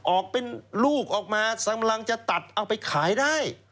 ออกเป็นลูกออกมากำลังจะตัดเอาไปขายได้